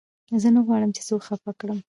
زه نه غواړم، چي څوک خفه کړم.